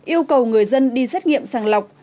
yêu cầu người dân đi xét nghiệm sàng lọc